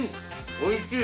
おいしい！